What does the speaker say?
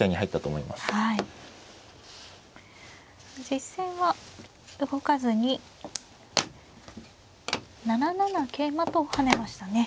実戦は動かずに７七桂馬と跳ねましたね。